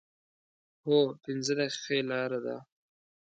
هو، پنځه دقیقې لاره ده